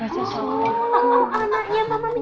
oh anaknya mama minta dimasakin